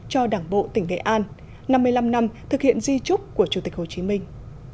cho đảng bộ tỉnh nghệ an năm mươi năm năm thực hiện di trúc của chủ tịch hồ chí minh